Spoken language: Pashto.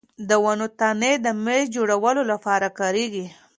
د ونو تنې د مېز جوړولو لپاره کارېږي.